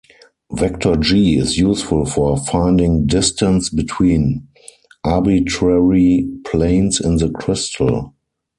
Vector G is useful for finding distance between arbitrary planes in the crystal.